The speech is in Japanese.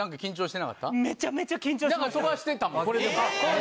なんか飛ばしてたもん。